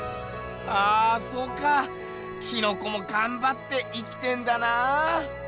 ああそうかキノコもがんばって生きてんだなぁ。